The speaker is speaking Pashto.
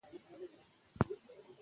ليکنښو کې هم ځينې تېروتنې